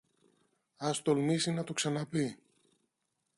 Ας τολμήσει να το ξαναπεί